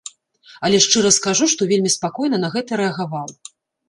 Але шчыра скажу, што вельмі спакойна на гэта рэагаваў.